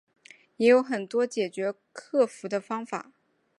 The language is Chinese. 也有很多解决克服的方法